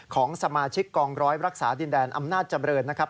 ของสมาชิกกองร้อยรักษาดินแดนอำนาจเจริญนะครับ